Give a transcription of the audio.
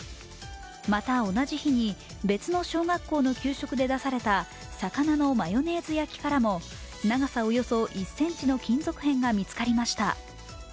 また、同じ日に別の小学校の給食で出された魚のマヨネーズ焼きからも長さおよそ１ｃｍの金属片が見つかりました。